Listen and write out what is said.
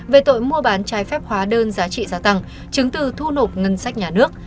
về tội mua bán trái phép hóa đơn giá trị gia tăng chứng từ thu nộp ngân sách nhà nước